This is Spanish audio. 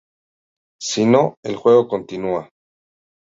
Si no, el juego continúa.